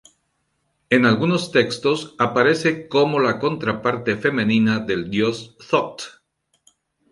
En algunos textos aparece como la contraparte femenina del dios Thot.